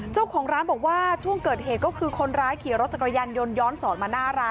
เจ้าของร้านบอกว่าช่วงเกิดเหตุก็คือคนร้ายขี่รถจักรยานยนต์ย้อนสอนมาหน้าร้าน